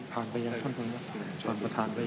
ท่านประธานครับ